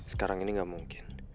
sekarang ini gak mungkin